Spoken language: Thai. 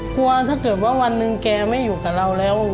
กลัวถ้าเกิดว่าวันหนึ่งแกไม่อยู่กับเราแล้ว